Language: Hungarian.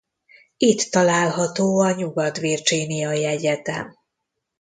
Itt található a Nyugat-Virginiai Egyetem.